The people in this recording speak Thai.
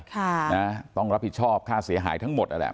ค่ะนะต้องรับผิดชอบค่าเสียหายทั้งหมดนั่นแหละ